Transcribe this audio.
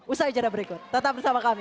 usaha ijadah berikut tetap bersama kami